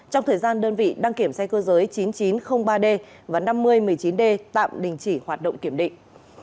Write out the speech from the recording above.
trong thời gian đơn vị đăng kiểm xe cơ giới chín nghìn chín trăm linh ba d và năm nghìn một mươi chín d tạm đình chỉ hoạt động kiểm định